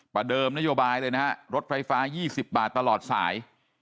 เดิมนโยบายเลยนะฮะรถไฟฟ้า๒๐บาทตลอดสาย